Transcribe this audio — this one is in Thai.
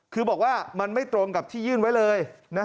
คือบอกว่ามันไม่ตรงกับที่ยื่นไว้เลย